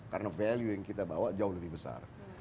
karena value yang kita bawa jauh lebih besar